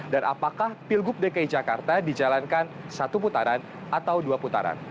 dan apakah pilkup dki jakarta dijalankan satu putaran atau dua putaran